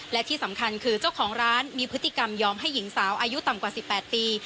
และที่สำคัญคือเจ้าของร้านมีพฤติกรรมยอมให้หญิงสาวอายุต่ำกว่า๑๘ปี